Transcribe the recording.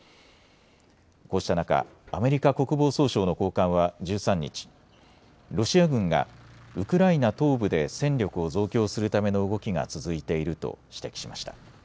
こうした中、アメリカ国防総省の高官は１３日、ロシア軍がウクライナ東部で戦力を増強するための動きが続いていると指摘しました。